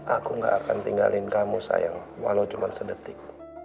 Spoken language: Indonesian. aku gak akan tinggalin kamu sayang walau cuma sedetik